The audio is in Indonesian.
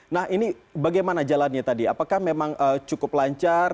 nah ini bagaimana jalannya tadi apakah memang cukup lancar